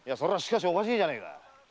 おかしいじゃねえか。